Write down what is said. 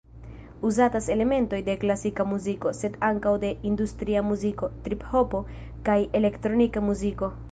Uzatas elementoj de klasika muziko, sed ankaŭ de industria muziko, trip-hopo kaj elektronika muziko.